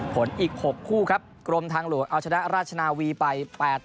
อีก๖คู่ครับกรมทางหลวงเอาชนะราชนาวีไป๘๐